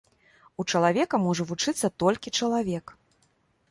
У чалавека можа вучыцца толькі чалавек.